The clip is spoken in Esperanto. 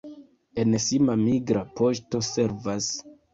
En Sima migra poŝto servas.